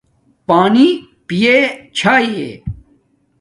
پݳنݵ پیݺ چھݳئݺ؟